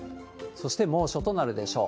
そして猛暑となるでしょう。